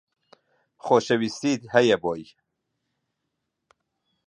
خۆشەویستیت هەیە بۆی